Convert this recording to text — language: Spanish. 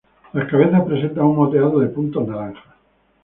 La cabeza presenta un moteado de puntos naranjas.